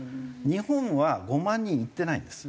日本は５万人いっていないんです。